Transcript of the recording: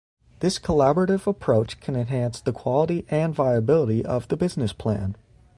This collaborative approach can enhance the quality and viability of the business plan.